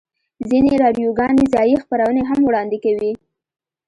ځینې راډیوګانې ځایی خپرونې هم وړاندې کوي